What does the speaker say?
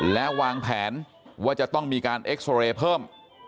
และวางแผนว่าจะต้องมีการเอ็กซอเรย์เพิ่ม